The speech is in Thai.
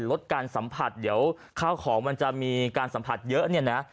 ลดการสัมผัสเดี๋ยวข้าวของมันจะมีการสัมผัสเยอะเนี่ยนะ